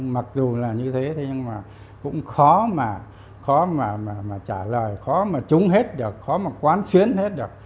mặc dù là như thế nhưng mà cũng khó mà trả lời khó mà trúng hết được khó mà quán xuyến hết được